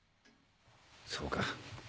そうか。